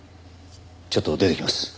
ちょっと出てきます。